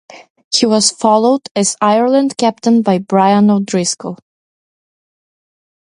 He was followed as Ireland captain by Brian O'Driscoll.